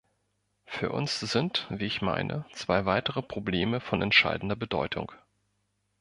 Für uns sind, wie ich meine, zwei weitere Probleme von entscheidender Bedeutung.